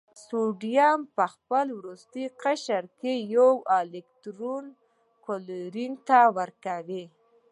سوډیم د خپل وروستي قشر یو الکترون کلورین ته ورکوي.